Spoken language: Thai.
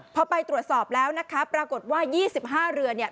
พอไปตรวจสอบแล้วนะคะปรากฏว่า๒๕เรือน